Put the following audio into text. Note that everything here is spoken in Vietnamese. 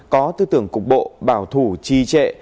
có tư tưởng cục bộ bảo thủ trì trệ